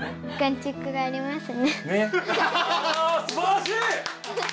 すばらしい！